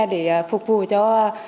để phục vụ cho